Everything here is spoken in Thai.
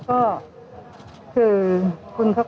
ขอบคุณครับ